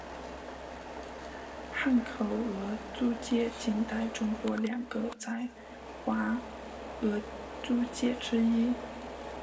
汉口俄租界近代中国两个在华俄租界之一。